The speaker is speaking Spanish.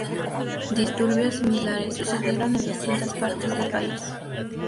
Disturbios similares sucedieron en distintas partes del país.